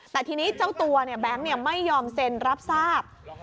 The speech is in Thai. แต่ทีนี้เจ้าตัวเนี่ยแบ๊งไม่ยอมเซ็นต์รับทราบ